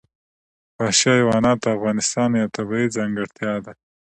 وحشي حیوانات د افغانستان یوه طبیعي ځانګړتیا ده.